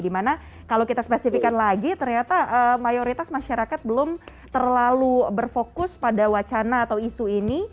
dimana kalau kita spesifikan lagi ternyata mayoritas masyarakat belum terlalu berfokus pada wacana atau isu ini